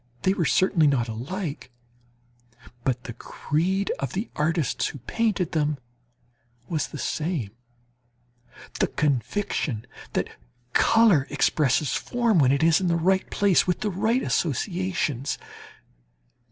They were certainly not alike, but the creed of the artists who painted them was the same the conviction that colour expresses form when it is in the right place with the right associations.